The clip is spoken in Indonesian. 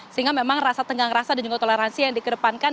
sehingga memang rasa tenggang rasa dan juga toleransi yang dikedepankan